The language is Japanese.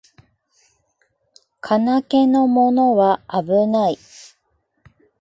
金気のものはあぶない